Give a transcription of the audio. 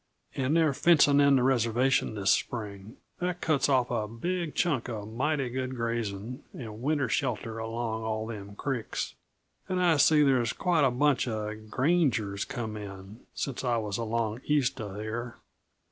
And they're fencing in the reservation this spring that cuts off a big chunk uh mighty good grazing and winter shelter along all them creeks. And I see there's quite a bunch uh grangers come in, since I was along east uh here.